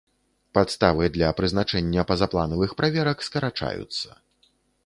Падставы для прызначэння пазапланавых праверак скарачаюцца.